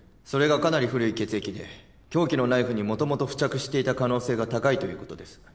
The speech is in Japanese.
それがかなり古い血液で凶器のナイフにもともと付着していた可能性が高いということです。